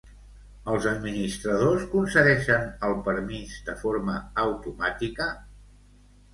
Els administradors concedeixen el permís de forma automàtica?